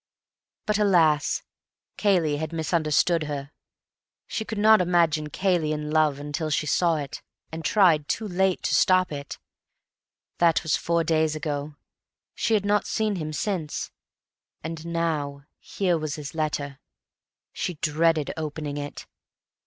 But alas! Cayley had misunderstood her. She could not imagine Cayley in love—until she saw it, and tried, too late, to stop it. That was four days ago. She had not seen him since, and now here was this letter. She dreaded opening it.